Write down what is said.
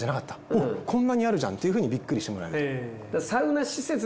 おっこんなにあるじゃんっていうふうにビックリしてもらえると。